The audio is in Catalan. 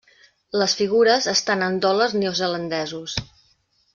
Les figures estan en dòlars neozelandesos.